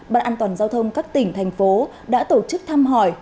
ban an toàn giao thông các tỉnh thành phố đã tổ chức thăm hỏi